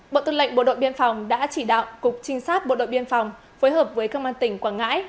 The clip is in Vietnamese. bộ tư lệnh bộ đội biên phòng đã chỉ đạo cục trinh sát bộ đội biên phòng phối hợp với công an tỉnh quảng ngãi